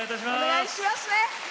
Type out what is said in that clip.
お願いしますね。